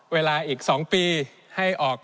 เวลาอีก๒ปีให้ออก